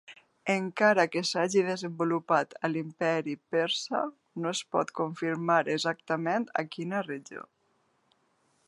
Encara que s'hagi desenvolupat a l'Imperi persa, no es pot confirmar exactament a quina regió.